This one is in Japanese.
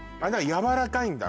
やわらかいんだ？